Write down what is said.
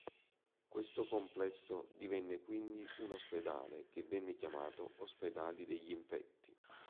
Questo complesso divenne quindi un ospedale che venne chiamato "Ospedale degli Infetti".